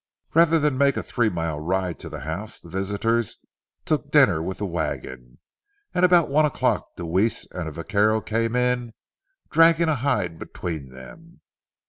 Rather than make a three mile ride to the house, the visitors took dinner with the wagon, and about one o'clock Deweese and a vaquero came in, dragging a hide between them.